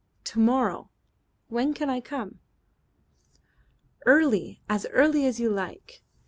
To morrow, when can I come?" "Early. As early as you like."